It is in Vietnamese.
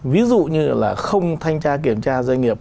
ví dụ như là không thanh tra kiểm tra doanh nghiệp